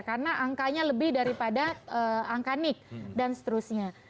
karena angkanya lebih daripada angka nick dan seterusnya